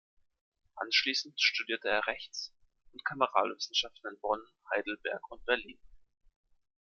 Anschließend studierte er Rechts- und Kameralwissenschaften in Bonn, Heidelberg und Berlin.